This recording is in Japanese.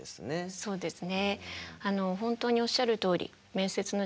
そうですね。